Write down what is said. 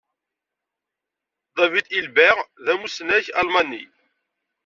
David Hilbert d amusnak almani.